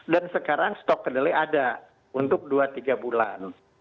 dan sekarang stok kedelai ada untuk dua tiga bulan